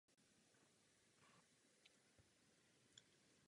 Po válce se zapojila do politického života.